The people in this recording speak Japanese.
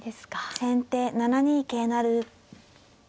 先手７二桂成。